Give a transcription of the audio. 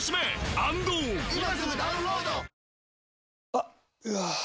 あっ、うわー。